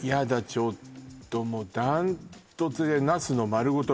ちょっともうダントツでナスの丸ごと